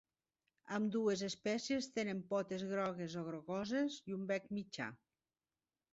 Ambdues espècies tenen potes grogues o grogoses i un bec mitjà.